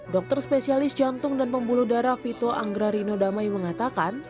dokter spesialis jantung dan pembuluh darah vito anggrarino damai mengatakan